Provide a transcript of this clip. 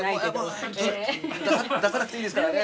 出さなくていいですからね